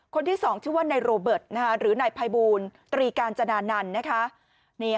คนที่สองชื่อว่านายโรเบิร์ตหรือนายภัยบูรณ์ตรีการจนานั่น